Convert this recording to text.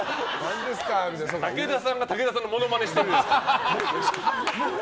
武田さんが武田さんのモノマネしてるよ。